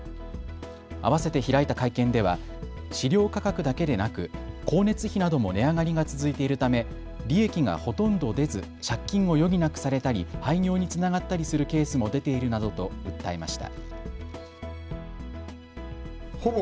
あわせて開いた会見では飼料価格だけでなく光熱費なども値上がりが続いているため利益がほとんど出ず借金を余儀なくされたり廃業につながったりするケースも出ているなどと訴えました。